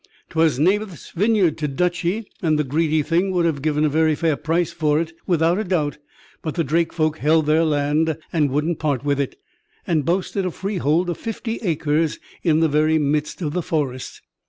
'Twas Naboth's vineyard to Duchy, and the greedy thing would have given a very fair price for it, without a doubt; but the Drake folk held their land, and wouldn't part with it, and boasted a freehold of fifty acres in the very midst of the Forest.